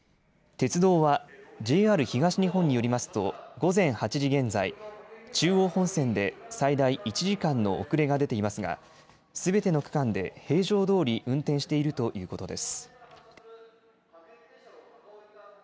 鉄道はＪＲ東日本によりますと午前８時現在、中央本線で最大１時間の遅れが出ていますが、すべての区間で平常どおり運転しているということです。